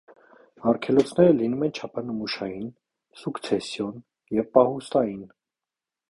Արգելոցները լինում են չափանմուշային, սուկցեսիոն և պահուստային։